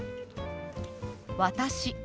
「私」。